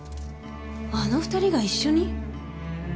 あの２人が一緒に？